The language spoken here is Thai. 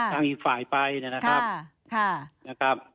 ทางอีกฝ่ายไปนะครับ